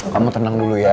kamu tenang dulu ya